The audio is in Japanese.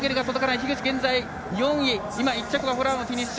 樋口は現在４位１着はワホラームフィニッシュ。